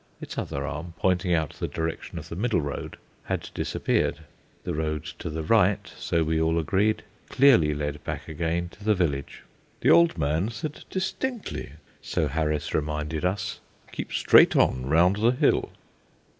Its other arm, pointing out the direction of the middle road, had disappeared. The road to the right, so we all agreed, clearly led back again to the village. "The old man said distinctly," so Harris reminded us, "keep straight on round the hill."